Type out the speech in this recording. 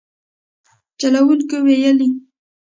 چلوونکو ویلي